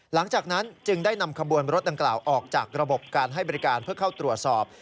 หลังจากนั้นจึงได้นำขบวนรถดังกล่าวออกจากระบบการให้บริการเพื่อเข้าตรวจสอบ